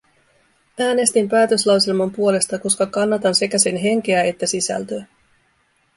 Äänestin päätöslauselman puolesta, koska kannatan sekä sen henkeä että sisältöä.